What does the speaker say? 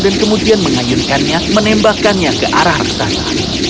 dan kemudian mengayunkannya menembakkannya ke arah sana